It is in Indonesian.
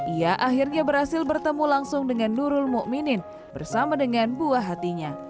ia akhirnya berhasil bertemu langsung dengan nurul mukminin ⁇ bersama dengan buah hatinya